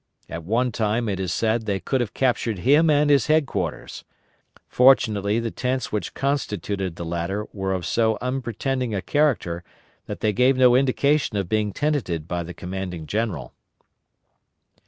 At one time it is said they could have captured him and his headquarters. Fortunately the tents which constituted the latter were of so unpretending a character, that they gave no indication of being tenanted by the commanding general.